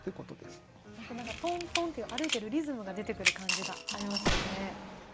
本当何かトントンっていう歩いてるリズムが出てくる感じがありますよね。